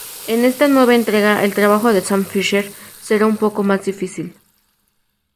En esta nueva entrega el trabajo de Sam Fisher será un poco más difícil.